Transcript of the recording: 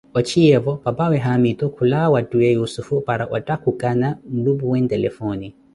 ochiyeevo papawe haamitu kulawa wa twiiye yussufu para ottakhukana nlupuwe ntelefoone.